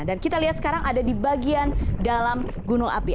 dan kita lihat sekarang ada di bagian dalam gunung api